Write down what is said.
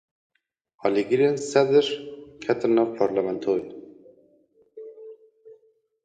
Alîgirên Sedr ketin nav parlamentoyê.